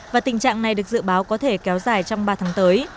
và tình trạng này được dự báo có thể kéo dài trong ba tháng tới